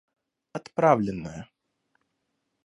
Отправленные